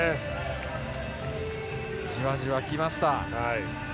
じわじわ来ました。